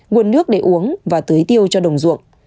nguồn nước để uống và tưới tiêu cho đồng ruộng